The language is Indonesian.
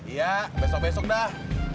iya besok besok dah